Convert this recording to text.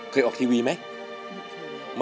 แต่เงินมีไหม